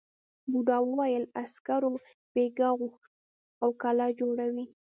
بوڊا وویل عسکرو بېگار غوښت او کلا جوړوي.